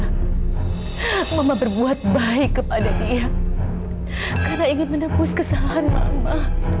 hai mama berbuat baik kepada dia karena ingin menembus kesalahan mama